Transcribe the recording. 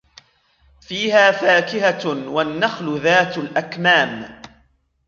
فِيهَا فَاكِهَةٌ وَالنَّخْلُ ذَاتُ الْأَكْمَامِ